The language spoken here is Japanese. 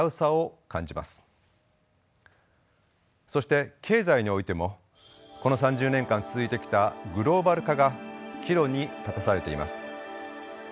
そして経済においてもこの３０年間続いてきたグローバル化が岐路に立たされています。